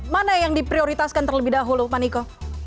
mana yang diprioritaskan terlebih dahulu pak niko